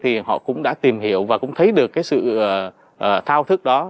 thì họ cũng đã tìm hiểu và cũng thấy được cái sự thao thức đó